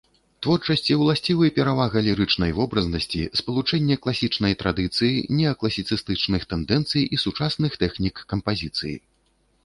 Творчасці ўласцівы перавага лірычнай вобразнасці, спалучэнне класічнай традыцыі, неакласіцыстычных тэндэнцый і сучасных тэхнік кампазіцыі.